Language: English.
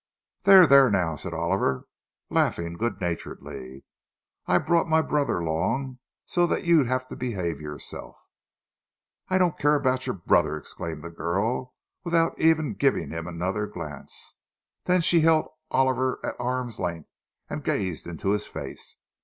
"There, there, now!" said Oliver, laughing good naturedly. "I brought my brother along so that you'd have to behave yourself." "I don't care about your brother!" exclaimed the girl, without even giving him another glance. Then she held Oliver at arm's length, and gazed into his face.